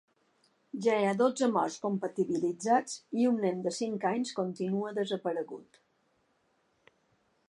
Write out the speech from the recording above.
Ja hi ha dotze morts comptabilitzats i un nen de cinc anys continua desaparegut.